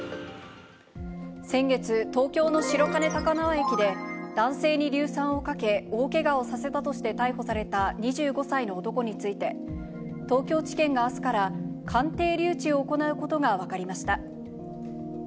先月、東京の白金高輪駅で男性に硫酸をかけ、大けがをさせたとして逮捕された２５歳の男について、東京地検があすから、鑑定留置を行うことが分かりました。